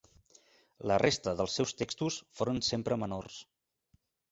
La resta dels seus textos foren sempre menors.